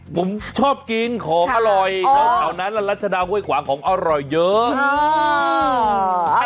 ผมชอบกินของอร่อยแถวนั้นรัชดาห้วยขวางของอร่อยเยอะ